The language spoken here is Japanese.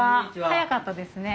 早かったですね。